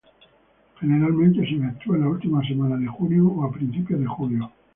Generalmente se efectúa en la última semana de junio o a principios de julio.